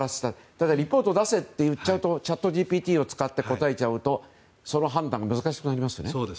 ただ、レポートを出せで終わらせるとチャットＧＰＴを使って答えちゃうとその判断が難しくなりますよね。